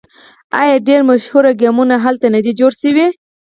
آیا ډیر مشهور ګیمونه هلته نه دي جوړ شوي؟